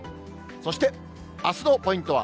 そして、あすのポイントは。